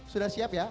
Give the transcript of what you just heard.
sudah siap ya